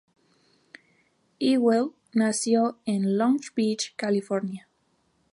Ewell, nació en Long Beach, California.